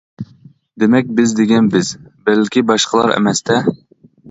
دېمەك بىز دېگەن بىز، بەلكى باشقىلار ئەمەستە.